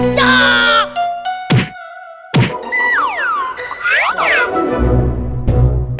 udah udah percaya sama caranya dut dut